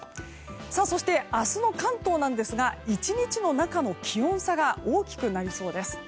そして、明日の関東ですが１日の中の気温差が大きくなりそうです。